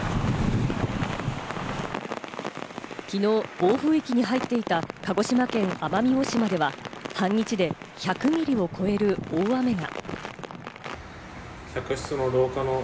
きのう暴風域に入っていた鹿児島県奄美大島では、半日で１００ミリを超える大雨が。